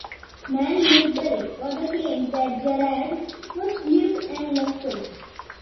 Malmesbury further claimed that Gerard was "lewd and lustful".